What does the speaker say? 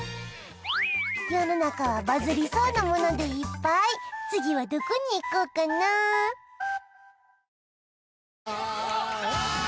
世の中はバズりそうなものでいっぱい次はどこに行こうかなあーーー！